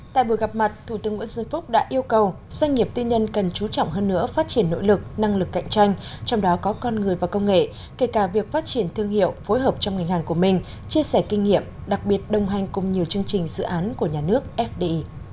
tại buổi gặp mặt thủ tướng nguyễn xuân phúc đã yêu cầu doanh nghiệp tư nhân cần chú trọng hơn nữa phát triển nỗ lực năng lực cạnh tranh trong đó có con người và công nghệ kể cả việc phát triển thương hiệu phối hợp trong ngành hàng của mình chia sẻ kinh nghiệm đặc biệt đồng hành cùng nhiều chương trình dự án của nhà nước fdi